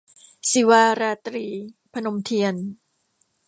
ศิวาราตรี - พนมเทียน